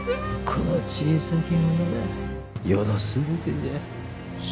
この小さき者が余の全てじゃ。